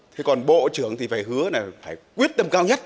thế còn bộ trưởng thì phải hứa là phải quyết tâm cao nhất